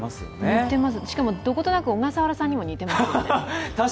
にてます、しかもどことなく小笠原さんにも似ていますよね。